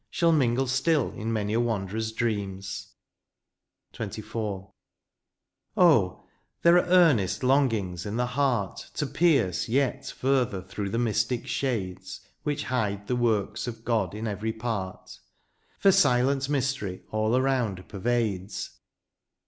Shall mingle still in many a wanderer's dreams. * Bruce. J THE FUTURE. 143 XXIV. Oh ! there are earnest longings in the heart To pierce yet further through the mystic shades Which hide the works of God in every part : For silent mystery all around pervades.